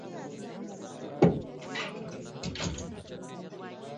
قضاوت او حافظه هم د مغز دندې دي.